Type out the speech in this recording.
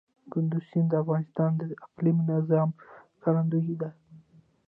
کندز سیند د افغانستان د اقلیمي نظام ښکارندوی ده.